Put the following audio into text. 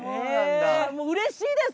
もううれしいです！